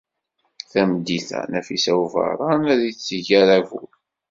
Tameddit-a, Nafisa n Ubeṛṛan ad d-teg aṛabul.